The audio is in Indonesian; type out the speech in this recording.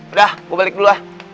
udah gua balik dulu ah